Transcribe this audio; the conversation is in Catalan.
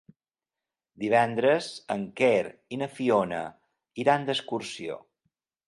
Divendres en Quer i na Fiona iran d'excursió.